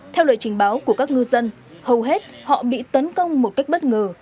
theo lời trình báo của các ngư dân hầu hết họ bị tấn công một cách bất ngờ